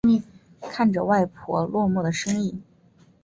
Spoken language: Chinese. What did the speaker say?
看着外婆落寞的身影